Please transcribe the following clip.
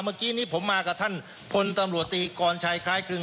เมื่อกี้นี้ผมมากับท่านพลตำรวจตีกรชัยคล้ายครึ่ง